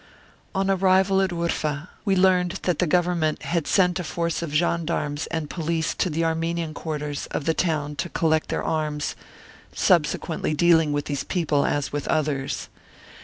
On arrival at Urfa, we learned that the Govern ment had sent a force of gendarmes and police t the Armenian quarters of the town to collect thei arms, subsequently dealing with these people with others.